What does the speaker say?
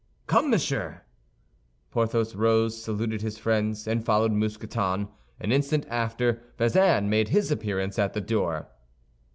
"Come, monsieur." Porthos rose, saluted his friends, and followed Mousqueton. An instant after, Bazin made his appearance at the door.